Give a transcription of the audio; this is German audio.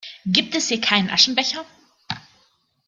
Gibt es hier keinen Aschenbecher?